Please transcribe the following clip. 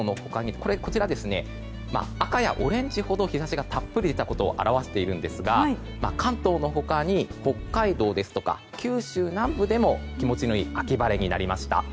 赤やオレンジほど日差しがたっぷり出たことを表しているんですが関東の他に北海道ですとか、九州南部でも気持ちのいい秋晴れになりました。